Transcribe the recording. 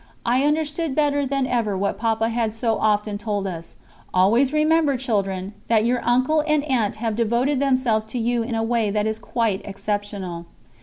I understood better than ever what Papa had so often told us: "Always remember, children, that your uncle and aunt have devoted themselves to you in a way that is quite exceptional."